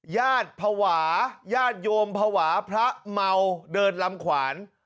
ญาติภาวะญาติโยมภาวะพระเมาเดินลำขวาน